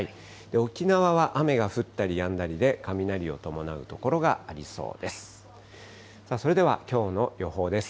沖縄は雨が降ったりやんだりで、雷を伴う所がありそうです。